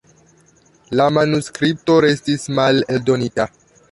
La manuskripto restis maleldonita.